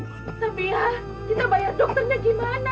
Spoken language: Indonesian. tapi ya kita bayar dokternya gimana